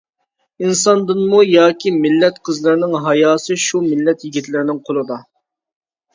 ئىنساندىنمۇ ياكى. مىللەت قىزلىرىنىڭ ھاياسى شۇ مىللەت يىگىتلىرىنىڭ قولىدا!